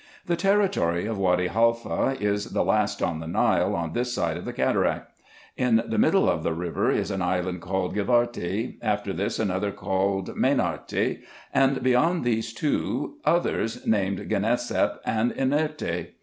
The territory of Wady Haifa is the last on the Nile, on this side of the cataract. In the middle of the river is an island called Givarty, after this another called Mainarty, and beyond these two others, named Genesap and En nerty.